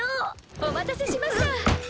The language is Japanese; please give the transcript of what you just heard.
お待たせしました！